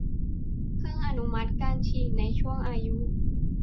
เพิ่งอนุมัติการฉีดในช่วงอายุ